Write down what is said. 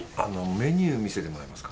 メニュー見せてもらえますか？